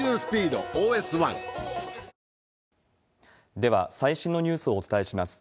では、最新のニュースをお伝えします。